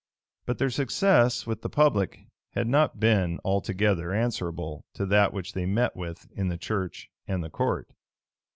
But their success with the public had not been altogether answerable to that which they met with in the church and the court.